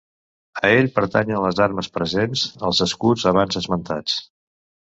A ell pertanyen les armes presents als escuts abans esmentats.